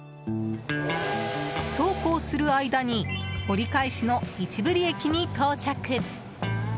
そうこうする間に折り返しの市振駅に到着。